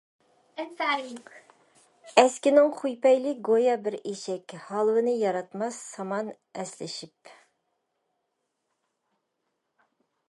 ئەسكىنىڭ خۇي- پەيلى گويا بىر ئېشەك، ھالۋىنى ياراتماس، سامان ئەسلىشىپ.